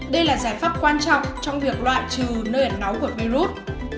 đây là giải pháp quan trọng trong việc loại trừ nơi ẩn nóng của virus